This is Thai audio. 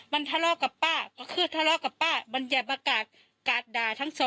มันทะเลาะกับป้าก็คือทะเลาะกับป้ามันอย่ามากาดกาดด่าทั้งสอง